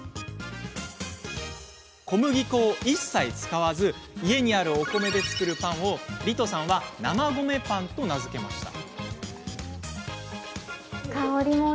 小麦粉を一切使わず家にあるお米で作るパンをリトさんは生米パンと名付けました。